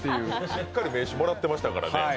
しっかり名刺もらってましたからね。